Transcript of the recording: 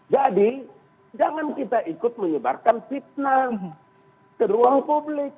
jadi jangan kita ikut menyebarkan fitnah ke ruang publik